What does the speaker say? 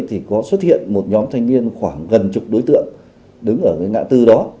thì có xuất hiện một nhóm thanh niên khoảng gần chục đối tượng đứng ở cái ngã tư đó